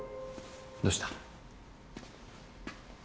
どうした？